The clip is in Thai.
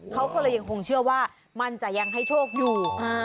เขาก็เลยยังคงเชื่อว่ามันจะยังให้โชคอยู่